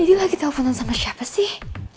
ini lagi telponan sama siapa sih